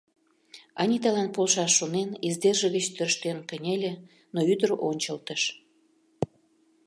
Аниталан полшаш шонен, издерже гыч тӧрштен кынеле, но ӱдыр ончылтыш.